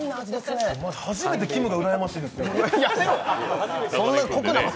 初めてきむがうらやましいです。